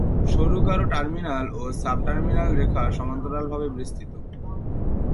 সরু কালো টার্মিনাল ও সাব-টার্মিনাল রেখা সমান্তরালভাবে বিস্তৃত।